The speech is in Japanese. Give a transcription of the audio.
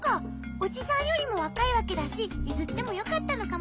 おじさんよりもわかいわけだしゆずってもよかったのかもね。